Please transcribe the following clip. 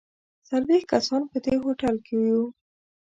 څلوېښت کسان په دې هوټل کې یو.